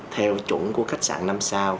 theo chuẩn của khách sạn năm sao